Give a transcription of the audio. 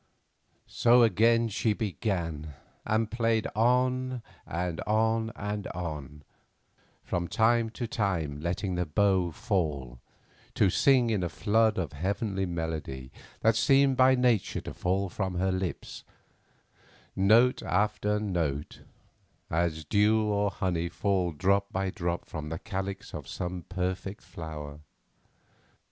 So again she began, and played on, and on, and on, from time to time letting the bow fall, to sing in a flood of heavenly melody that seemed by nature to fall from her lips, note after note, as dew or honey fall drop by drop from the calyx of some perfect flower.